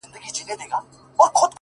دا دی د مرګ، و دایمي محبس ته ودرېدم ،